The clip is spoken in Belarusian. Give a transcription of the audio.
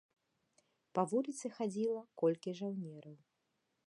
Па вуліцы хадзіла колькі жаўнераў.